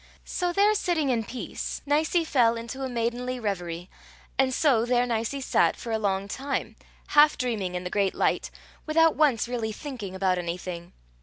So, there sitting in peace, Nicie fell into a maidenly reverie, and so there Nicie sat for a long time, half dreaming in the great light, without once really thinking about anything.